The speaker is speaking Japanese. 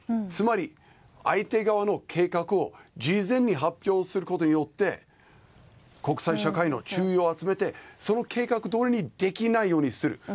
つまり、相手側の計画を事前に発表することによって国際社会の注意を集めてその計画どおりにできないようにする。